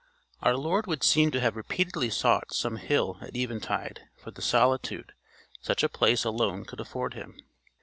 Our Lord would seem to have repeatedly sought some hill at eventide for the solitude such a place alone could afford him.